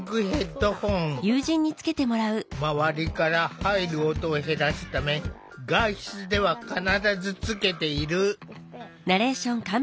まわりから入る音を減らすため外出では必ずつけている。